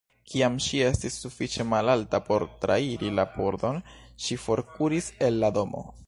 Kiam ŝi estis sufiĉe malalta por trairi la pordon, ŝi forkuris el la domo.